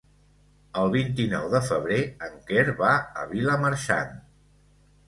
El vint-i-nou de febrer en Quer va a Vilamarxant.